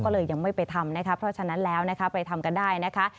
ก็เลยยังไม่ไปทำนะคะเพราะฉะนั้นแล้วนะคะไปทำกันได้นะคะ